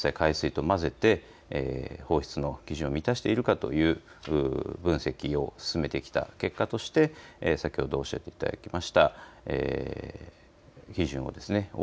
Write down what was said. きょうまで２日間、こうした処理水を海水と混ぜて、放出の基準を満たしているかという分析を進めてきた結果として先ほどおっしゃっていただきました。